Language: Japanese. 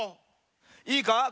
いいか？